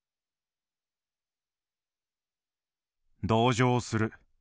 「同情する。